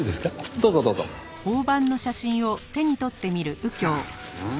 どうぞどうぞ。はあ。